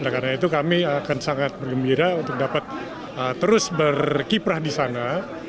karena itu kami akan sangat bergembira untuk dapat terus berkiprah di sana